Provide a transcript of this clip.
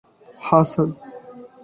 হ্যাঁ, স্যার।